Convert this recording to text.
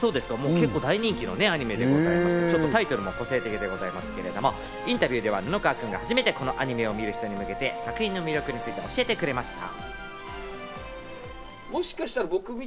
結構大人気のアニメでタイトルも個性的ですけど、インタビューでは布川君が初めてこのアニメを見る人に向けて作品の魅力について教えてくれました。